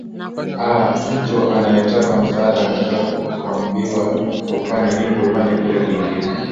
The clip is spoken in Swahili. a mtu anayetaka msaada anataka kwambiwa ufanye hiki ufanya kile kingine